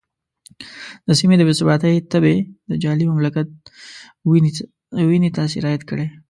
د سیمې د بې ثباتۍ تبې د جعلي مملکت وینې ته سرایت کړی.